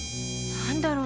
何だろう？